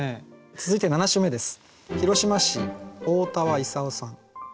続いて７首目です。